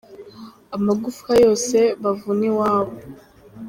Amagufwa yose bavuna iwabo